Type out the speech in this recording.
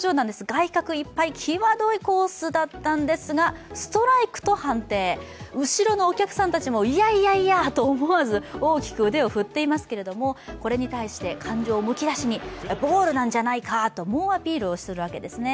外角いっぱいきわどいコースなんですが、ストライクと判定後ろのお客さんたちもいやいや、と思わず大きく腕を振っていますけれども、これに対して、感情むき出しにボールなんじゃないかと猛アピールするわけですね。